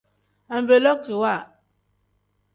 Anvilookiwa.